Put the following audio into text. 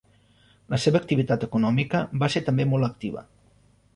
La seva activitat econòmica va ser també molt activa.